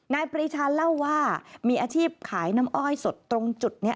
ปรีชาเล่าว่ามีอาชีพขายน้ำอ้อยสดตรงจุดนี้